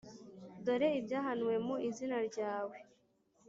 dore ibyahanuwe mu izina ryawe.